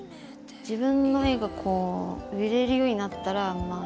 自分の絵がこう売れるようになったらまあ